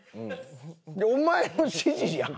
お前の指示やん！